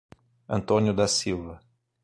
Antônio da Silva